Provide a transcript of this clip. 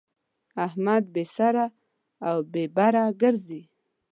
احمد بې سره او بې بره ګرځي.